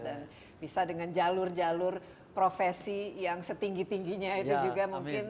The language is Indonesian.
bisa dengan jalur jalur profesi yang setinggi tingginya itu juga mungkin